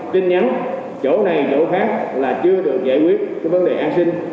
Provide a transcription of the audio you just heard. tin nhắn chỗ này chỗ khác là chưa được giải quyết cái vấn đề an sinh